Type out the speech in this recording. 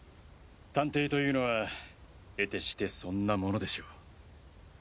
探偵というのは得てしてそんなものでしょう。